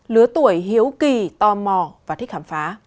lứa tuổi hiếu kì tò mò và thích học